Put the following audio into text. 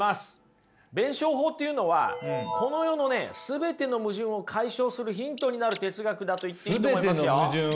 弁証法というのはこの世の全ての矛盾を解消するヒントになる哲学だと言っていいと思いますよ。